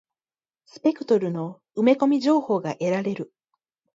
スペクトルの埋め込み情報が得られる。